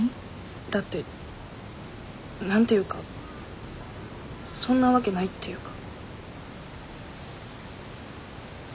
だって何て言うかそんなわけないっていうか。